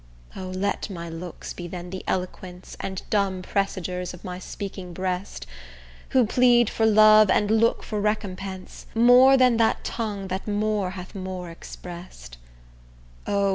O! let my looks be then the eloquence And dumb presagers of my speaking breast, Who plead for love, and look for recompense, More than that tongue that more hath more express'd. O!